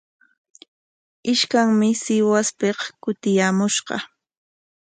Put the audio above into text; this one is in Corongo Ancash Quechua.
Ishkanmi Sihuaspik kutiyaamushqa.